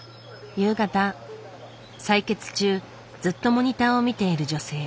夕方採血中ずっとモニターを見ている女性。